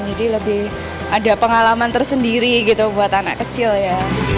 jadi lebih ada pengalaman tersendiri gitu buat anak kecil ya